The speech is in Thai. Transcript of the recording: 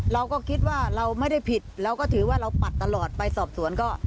เราก็คิดว่าเราไม่ได้ผิดเราก็ถือว่าเราปัดตลอดไปสอบสวนก็